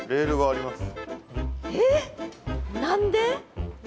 えっ何で？